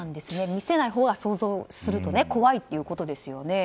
見せないほうが想像すると怖いということですよね。